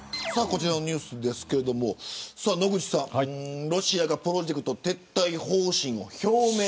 こちらのニュースですがロシアがプロジェクト撤退方針を表明。